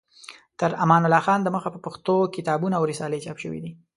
تر امان الله خان د مخه په پښتو کتابونه او رسالې چاپ شوې دي.